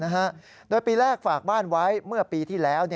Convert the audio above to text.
ปีที่สองแล้วนะฮะโดยปีแรกฝากบ้านไว้เมื่อปีที่แล้ว